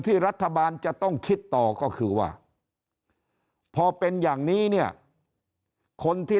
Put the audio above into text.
ที่รัฐบาลจะต้องคิดต่อก็คือว่าพอเป็นอย่างนี้เนี่ยคนที่